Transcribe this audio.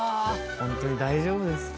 ホントに大丈夫ですか？